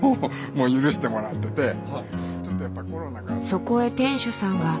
そこへ店主さんが。